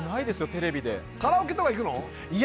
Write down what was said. テレビでカラオケとか行くの？